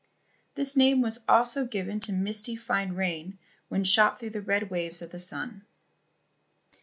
This name was also given to misty fine rain when shot through by the red waves of the sun.